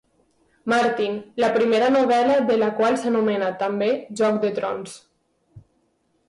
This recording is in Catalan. Martin, la primera novel·la de la qual s'anomena també Joc de trons.